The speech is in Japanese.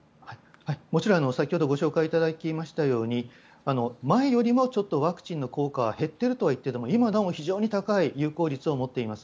もちろん、先ほどご紹介いただきましたように前よりもちょっとワクチンの効果は減っているとはいっても今なお非常に高い有効率を持っています。